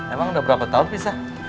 emang udah berapa tahun bisa